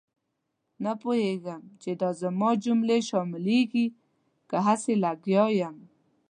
نه پوهېږم چې دا زما جملې شاملېږي که هسې لګیا یم.